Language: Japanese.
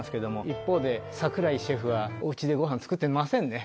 一方で櫻井シェフはお家でごはん作ってませんね。